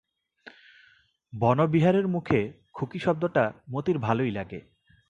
বনবিহারীর মুখে খুকি শব্দটা মতির ভালোই লাগে।